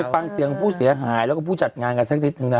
ฟังเสียงผู้เสียหายแล้วก็ผู้จัดงานกันสักนิดนึงนะ